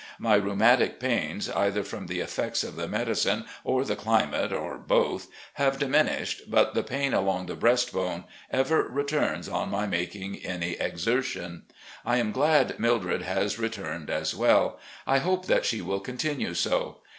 My rheumatic pains, either from the effects of the medicine or the climate, or both, have diminished, but the pain along the breast bone ever returns on my making any exertion. I am glad Mildred has returned so well. I hope that she will continue so.